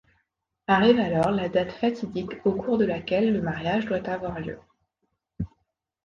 Arrive alors la date fatidique au cours de laquelle le mariage doit avoir lieu.